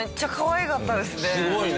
すごいね。